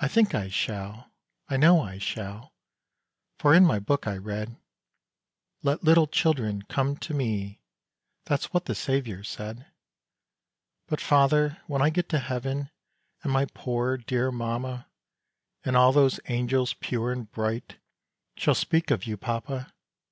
"I think I shall I know I shall For in my book I read 'Let little children come to Me,' That's what the Saviour said. "But, father, when I get to heaven And my poor dear mamma, And all those angels pure and bright Shall speak of you, papa!